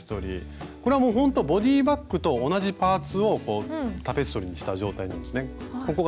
これはもうほんとボディーバッグと同じパーツをタペストリーにした状態なんですね。